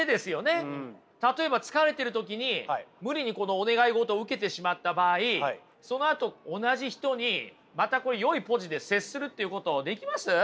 例えば疲れてる時に無理にこのお願い事を受けてしまった場合そのあと同じ人にまたこれよいポジで接するっていうことできます？